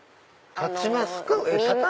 立ちますか？